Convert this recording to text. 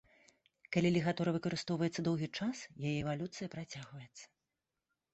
Калі лігатура выкарыстоўваецца доўгі час, яе эвалюцыя працягваецца.